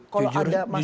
kalau ada masalah ini